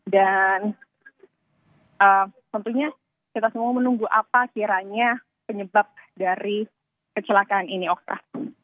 dan tentunya kita semua menunggu apa kiranya penyebab dari kecelakaan ini osta